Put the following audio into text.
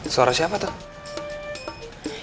suara siapa tuh